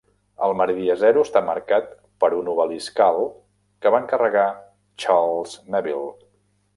El meridià zero està marcat per un obelisc alt, que va encarregar Charles Neville.